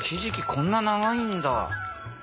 こんな長いんだ。